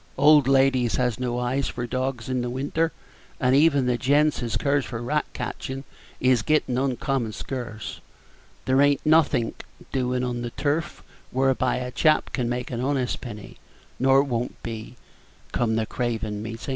Old ladies has no eyes for dawgs in the winter; and even the gents as cares for rat catchin' is gettin' uncommon scarce. There ain't nothink doin' on the turf whereby a chap can make an honest penny, nor won't be, come the Craven Meetin'.